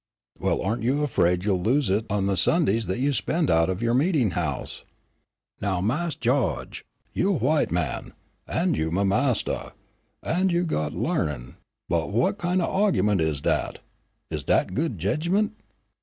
"Well, aren't you afraid you'll lose it on the Sundays that you spend out of your meeting house?" "Now, Mas' Gawge, you a white man, an' you my mastah, an' you got larnin'. But what kin' o' argyment is dat? Is dat good jedgment?"